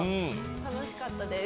楽しかったです。